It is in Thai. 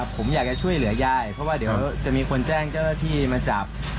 ผมอยากจะช่วยเหลือยายเพราะว่าเดี๋ยวจะมีคนแจ้งเจ้าหน้าที่มาจับ